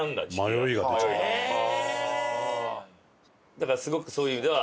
だからすごくそういう意味では。